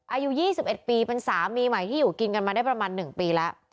อายุ๒๑ปีเป็นสามีใหม่ที่อยู่กินกันมาได้ประมาณ๑ปีแล้ว